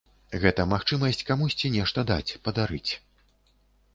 Гэта магчымасць камусьці нешта даць, падарыць.